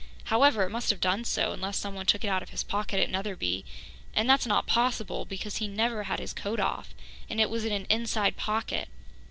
However, it must have done so unless someone took it out of his pocket at Netherby, and that is not possible, because he never had his coat off, and it was in an inside pocket.